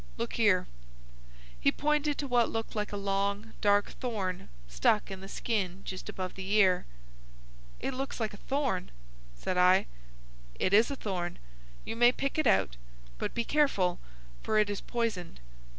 Look here!" He pointed to what looked like a long, dark thorn stuck in the skin just above the ear. "It looks like a thorn," said I. "It is a thorn. You may pick it out. But be careful, for it is poisoned."